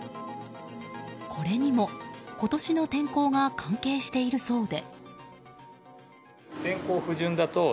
これにも今年の天候が関係しているそうで。